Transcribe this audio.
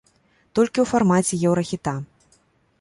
Толькі ў фармаце еўрахіта.